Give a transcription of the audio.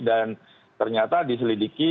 dan ternyata diselidiki